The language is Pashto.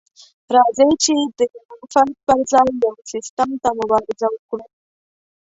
راځئ چې د يوه فرد پر ځای يو سيستم ته مبارزه وکړو.